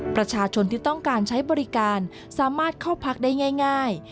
ประชาชนที่ต้องการใช้บริการสามารถเข้าพักได้ง่าย